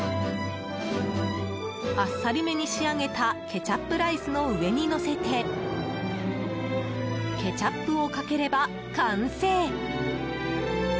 あっさりめに仕上げたケチャップライスの上にのせてケチャップをかければ完成。